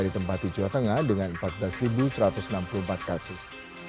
di tempat di jawa tengah dengan empat belas satu ratus enam puluh empat kasus